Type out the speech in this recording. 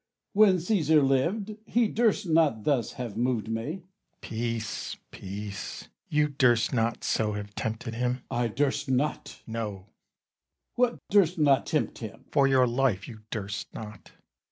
Cas. When Cæsar lived, he durst not thus have moved me. Bru. Peace, peace! you durst not so have tempted him. Cas. I durst not! Bru. No. Cas. What, durst not tempt him! Bru. For your life you durst not.